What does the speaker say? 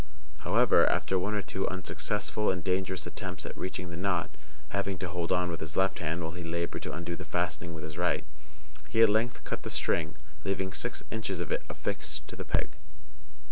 However, after one or two unsuccessful and dangerous attempts at reaching the knot (having to hold on with his left hand while he labored to undo the fastening with his right), he at length cut the string, leaving six inches of it affixed to the peg.